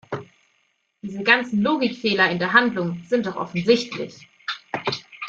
Diese ganzen Logikfehler in der Handlung sind doch offensichtlich!